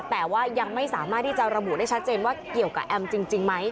แต่ว่ายังไม่สามารถที่จะระบุได้ชัดเจนว่าเกี่ยวกับแอมจริงไหม